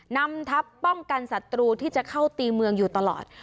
นำทัพป้องกันศัตรูที่จะเข้าตีเมืองอยู่ตลอด